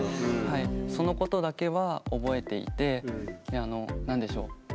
そのことだけは覚えていて何でしょう。